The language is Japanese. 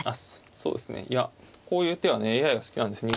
そうですねいやこういう手はねＡＩが好きなんです。